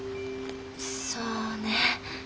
そうね。